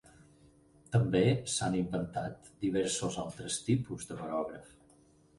També s'han inventat diversos altres tipus de barògraf.